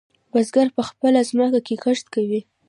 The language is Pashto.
بزگر په خپله ځمکه کې کښت کوي.